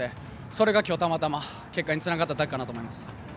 それが今日たまたま結果につながっただけかなと思います。